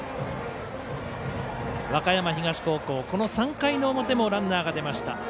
和歌山東高校、この３回の表もランナーが出ました。